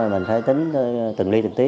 mình phải tính từng ly từng tí